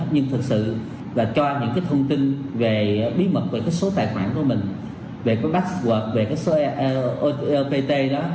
nhưng thật sự là cho những thông tin về bí mật về số tài khoản của mình về password về số lpt đó